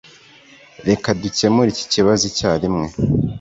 Reka dukemure iki kibazo icyarimwe.